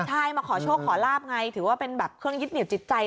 ใช่มาขอโชคขอลาบไงถือว่าเป็นแบบเครื่องยึดเหนียวจิตใจ